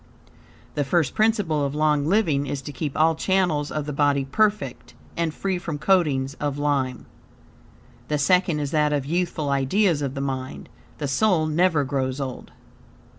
The first principle of long living is to keep all channels of the body perfect and free from coatings of lime. The second is that of youthful ideals of the mind. The soul never grows old.